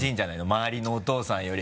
周りのお父さんより。